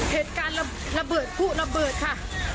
เหตุการณ์ระเบิดผู้ระเบิดค่ะ